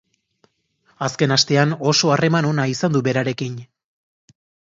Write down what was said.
Azken astean oso harreman ona izan du berarekin.